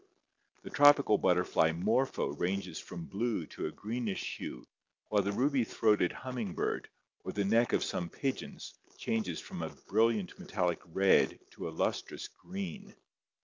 The tropical butterfly Morpho ranges from blue to a greenish hue, COLORATION AND MIMICRY 231 while the ruby throated humming bird or the neck of some pigeons changes from a brilliant metallic red to a lustrous green.